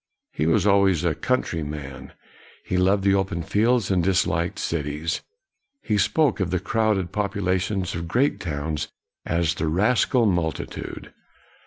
He was always a country man; he loved the open fields and disliked cities. He spoke of the crowded popula tions of great towns as the rascal multi tude.